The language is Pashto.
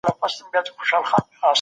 زه به سبا د مظلومانو سره مرسته وکړم.